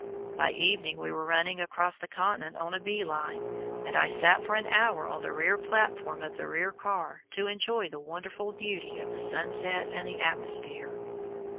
By evening we were running across the continent on a bee line, and I sat for an hour on the rear platform of the rear car to enjoy the wonderful beauty of the sunset and the atmosphere.